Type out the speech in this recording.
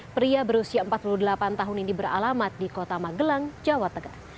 pria berusia empat puluh delapan tahun ini beralamat di kota magelang jawa tengah